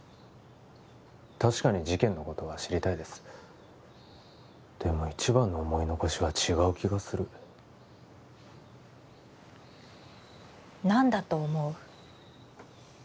確かに事件のことは知りたいですでも一番の思い残しは違う気がする何だと思う？